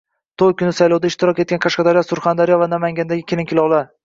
To‘y kuni saylovda ishtirok etgan Qashqadaryo, Surxondaryo va Namangandagi kelin-kuyovlar